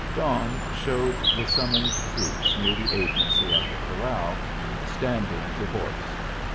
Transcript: Dawn showed the summoned troops near the agency at the corral, standing to horse.